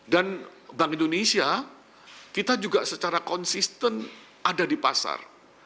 dan bank indonesia kita juga secara konsisten ada di pasar